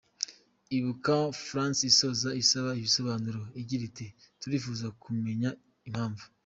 Ibuka-France isoza isaba ibisobanururo, igira iti "Turifuza kumenya impamvu.